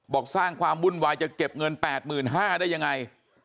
สร้างความวุ่นวายจะเก็บเงิน๘๕๐๐ได้ยังไง